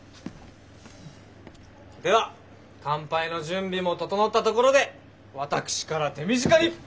では乾杯の準備も整ったところで私から手短に。